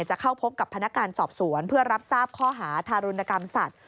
จะเข้าพบกับพนักงานสอบสวนเพื่อรับทราบข้อหาทารุณกรรมสัตว